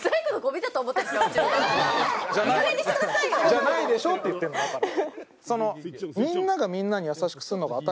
「じゃないでしょ？」って言ってるのだから。